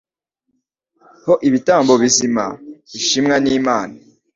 ho ibitambo bizima bishimwa n’Imana